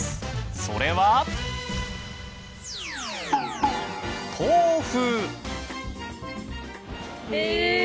それは豆腐。